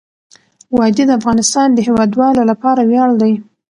وادي د افغانستان د هیوادوالو لپاره ویاړ دی.